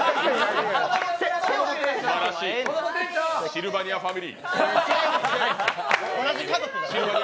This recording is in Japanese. シルバニアファミリー。